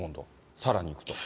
さらにいくと。